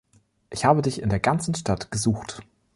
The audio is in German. Ich habe dich in der ganzen Stadt gesucht.